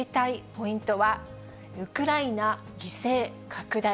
ポイントは、ウクライナ犠牲拡大。